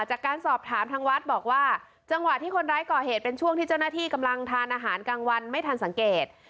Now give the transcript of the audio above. จากการสอบถามทางวัดบอกว่าจังหวะที่คนร้ายก่อเหตุเป็นช่วงที่เจ้าหน้าที่กำลังทานอาหารกลางวันไม่ทันสังเกต